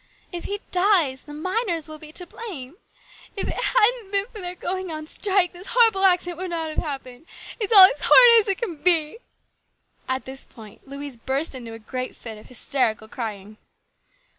If he dies, the miners will be to blame. If it hadn't been for their going out on strike, this horrible accident would not have happened. It's all as horrid as it can be !" At this point Louise burst into a great fit of hysterical crying.